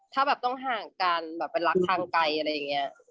ถ้าแบบต้องห่างกันแบบเป็นรักทางไกลอะไรอย่างนี้